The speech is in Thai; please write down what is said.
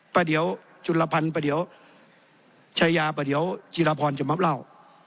เดี๋ยวจุลพันธ์ประเดี๋ยวชายาปะเดี๋ยวจีรพรจะมาเล่า